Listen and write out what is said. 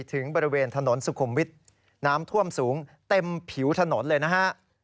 ถึงบริเวณถนนสุขุมวิทย์น้ำท่วมสูงเต็มผิวถนนเลยนะฮะ